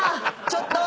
ちょっと。